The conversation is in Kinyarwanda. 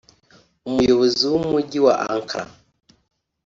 umuyobozi w'umujyi wa Ankara